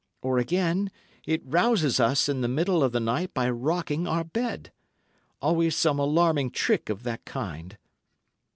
Or, again, it rouses us in the middle of the night by rocking our bed! Always some alarming trick of that kind."